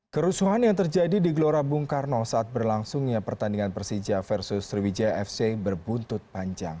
kerusuhan yang terjadi di gelora bung karno saat berlangsungnya pertandingan persija versus sriwijaya fc berbuntut panjang